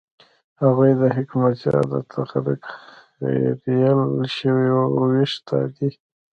هغوی د حکمتیار د تخرګ خرېیل شوي وېښته دي.